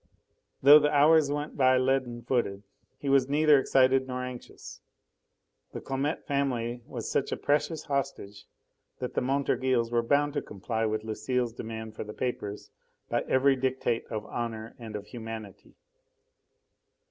Though the hours went by leaden footed, he was neither excited nor anxious. The Clamette family was such a precious hostage that the Montorgueils were bound to comply with Lucile's demand for the papers by every dictate of honour and of humanity.